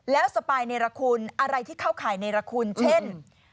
แล้วสปายเนรคุณอะไรที่เข้าข่ายเนรคุณเช่น